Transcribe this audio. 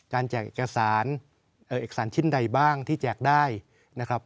แจกเอกสารเอกสารชิ้นใดบ้างที่แจกได้นะครับ